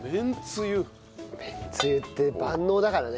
めんつゆって万能だからね。